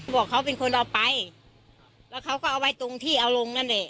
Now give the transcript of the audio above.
บอกเขาเป็นคนเอาไปแล้วเขาก็เอาไว้ตรงที่เอาลงนั่นแหละ